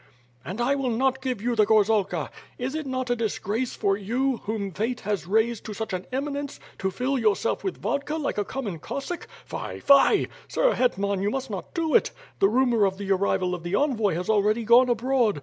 "And I will not give you the gorzalka. Is it not a dis grace for you, whom fate has raised to such an eminence, to fill yourself with vodka like a common Cossack? Fie! Fie! Sir Hetman, you must not do it. The rumor of the arrival of the envoy has already gone abroad.